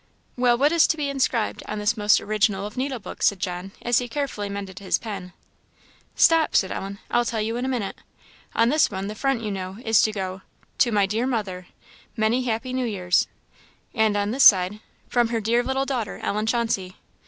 "Well, what is to be inscribed on this most original of needlebooks?" said John, as he carefully mended his pen. "Stop!" said Ellen "I'll tell you in a minute. On this one, the front, you know, is to go, 'To my dear mother, many happy New Years;' and on this side, 'From her dear little daughter, Ellen Chauncey.'